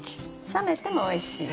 冷めてもおいしい。